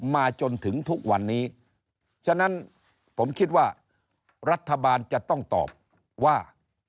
มาจนถึงทุกวันนี้ฉะนั้นผมคิดว่ารัฐบาลจะต้องตอบว่า